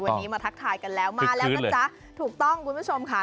วันนี้มาทักทายกันแล้วมาแล้วนะจ๊ะถูกต้องคุณผู้ชมค่ะ